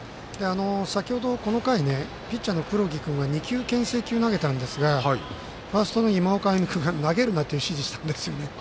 先ほど、この回ピッチャーの黒木君が２球けん制球、投げたんですがファーストの今岡君が投げるなという指示をしたんです。